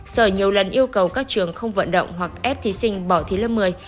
sở nhiều lần yêu cầu các trường không vận động hoặc ép thí sinh bỏ thi lớp một mươi